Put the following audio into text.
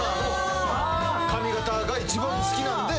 髪形が一番好きなんで。